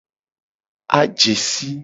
Aje si.